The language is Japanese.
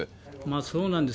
そうなんです。